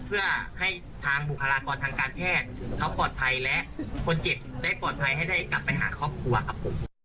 เพื่อให้ทางบุคลากรทางการแพทย์เขาปลอดภัยและคนเจ็บได้ปลอดภัยให้ได้กลับไปหาครอบครัวครับผม